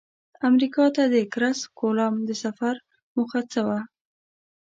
امریکا ته د کرسف کولمب د سفر موخه څه وه؟